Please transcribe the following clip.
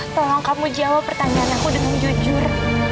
tolong kamu jawab pertanyaan aku dengan jujur